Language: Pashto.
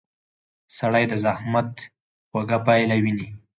سړی د زحمت خوږه پایله ویني